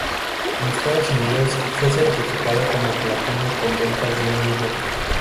En Estados Unidos fue certificado como platino con ventas de un millón.